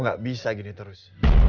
aku gak bisa gini terus